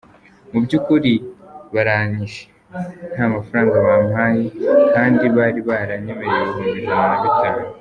Mu by’ukuri baranyishe, nta mafaranga bampaye kandi bari baranyemereye ibihumbi ijana na bitanu.